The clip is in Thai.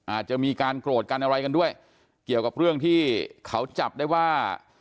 อาจจะมีการโกรธกันอะไรกันด้วยเกี่ยวกับเรื่องที่เขาจับได้ว่า